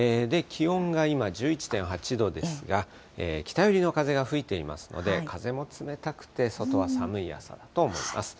気温が今、１１．８度ですが、北寄りの風が吹いていますので、風も冷たくて外は寒い朝だと思います。